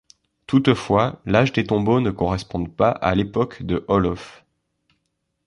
Toutefois, l'âge des tombeaux ne correspondent pas à l'époque de Olof.